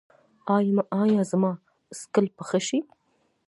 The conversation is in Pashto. ایا زما څکل به ښه شي؟